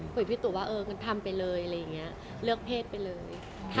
ขอบคุณมากเลย